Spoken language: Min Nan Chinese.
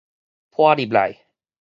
濺進來